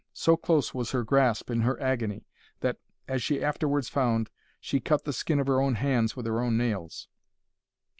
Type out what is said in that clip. So close was her grasp in her agony, that, as she afterwards found, she cut the skin of her own hands with her own nails.